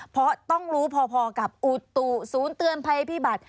เพราะต้องรู้พอกับอุตุศูนย์เตือนภัยพิบัติ